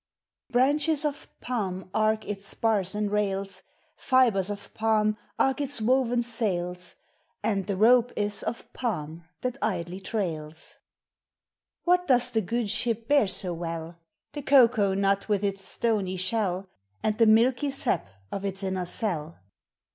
Branches of palm arc its spars and rails, Fibres of palm arc its woven Bails, And the rope is of palm thai Ldlj trails! What does the good ship bear bo well? The cocoa nul with its stony shell, And the milky sap of its inner cell.